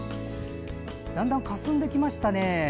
だんだん、かすんできましたね。